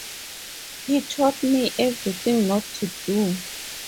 He taught me everything not to do.